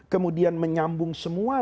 kemudian menyambung semua